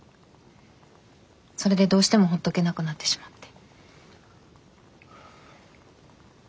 それでどうしても放っておけなくなってしまって。